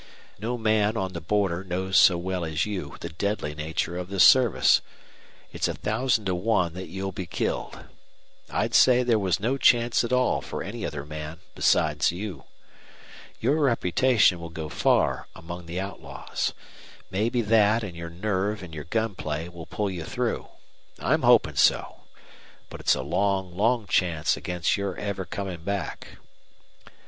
"No man on the border knows so well as you the deadly nature of this service. It's a thousand to one that you'll be killed. I'd say there was no chance at all for any other man beside you. Your reputation will go far among the outlaws. Maybe that and your nerve and your gun play will pull you through. I'm hoping so. But it's a long, long chance against your ever coming back."